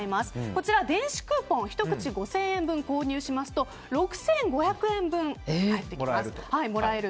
こちら電子クーポン１口５０００円分を購入しますと６５００円分もらえる。